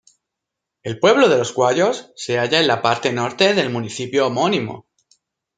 El pueblo de Los Guayos se halla en la parte norte del municipio homónimo.